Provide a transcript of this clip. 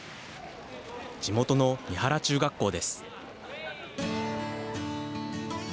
地元の三原中学校です。